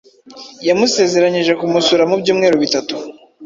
yamusezeranyije kumusura mu byumweru bitatu